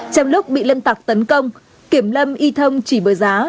trong lúc bị lâm tặc tấn công kiểm lâm y thông chỉ bởi giá